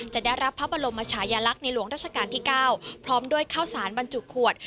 จะได้รับพระบรมชายลักษณ์ในหลวงราชการที่๙พร้อมด้วยข้าวสารบรรจุขวด